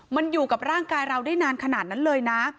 มันอยู่กับร่างกายเราได้นานขนาดนั้นเลยนะ